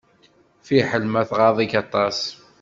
Fiḥel ma tɣaḍ-ik aṭas.